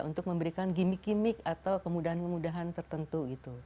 untuk memberikan gimmick gimmick atau kemudahan kemudahan tertentu gitu